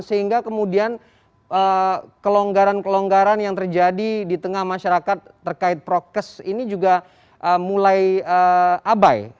sehingga kemudian kelonggaran kelonggaran yang terjadi di tengah masyarakat terkait prokes ini juga mulai abai